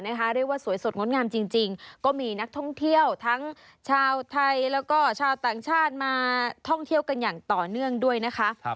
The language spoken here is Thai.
เรียกว่าสวยสดงดงามจริงก็มีนักท่องเที่ยวทั้งชาวไทยแล้วก็ชาวต่างชาติมาท่องเที่ยวกันอย่างต่อเนื่องด้วยนะคะ